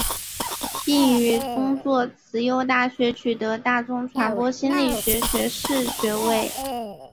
并于宗座慈幼大学取得大众传播心理学学士学位。